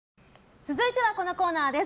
続いてはこのコーナーです。